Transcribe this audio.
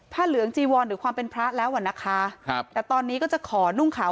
เหลืองจีวรหรือความเป็นพระแล้วอ่ะนะคะครับแต่ตอนนี้ก็จะขอนุ่งขาว